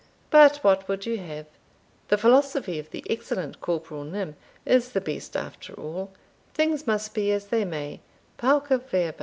But what would you have? The philosophy of the excellent Corporal Nym is the best after all; things must be as they may _pauca verba.